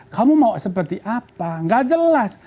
kamu mau seperti apa nggak jelas